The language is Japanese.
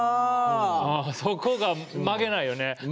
そこは曲げないよね。